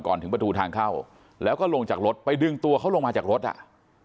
ถึงประตูทางเข้าแล้วก็ลงจากรถไปดึงตัวเขาลงมาจากรถอ่ะ